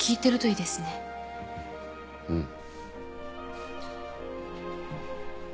うん。